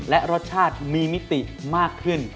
และรสชาติมีมิติมากขึ้น